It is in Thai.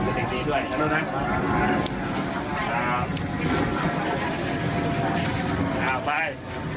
ดีดีด้วยเดี๋ยวลูกน้ำครับครับครับไป